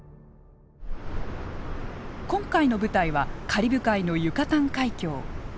今回の舞台はカリブ海のユカタン海峡。